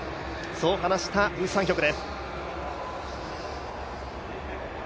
そう話したウ・サンヒョクです。